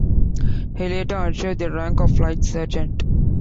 He later achieved the rank of Flight Sergeant.